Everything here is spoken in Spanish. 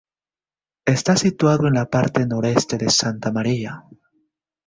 Está situado en la parte nordeste de Santa Maria.